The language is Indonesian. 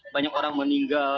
banyak orang meninggal